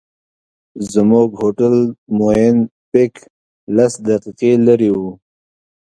زموږ هوټل مووېن پېک لس دقیقې لرې و.